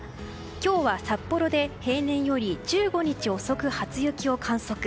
今日は札幌で平年より１５日遅く初雪を観測。